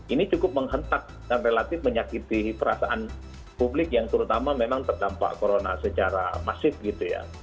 ini cukup menghentak dan relatif menyakiti perasaan publik yang terutama memang terdampak corona secara masif gitu ya